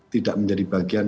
tidak menjadi bagian